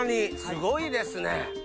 すごいですね。